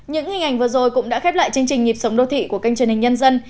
những hình ảnh vừa rồi cũng đã khép lại chương trình nhịp sống đô thị của kênh truyền hình nhân dân